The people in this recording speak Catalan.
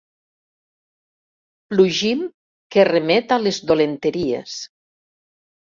Plugim que remet a les dolenteries.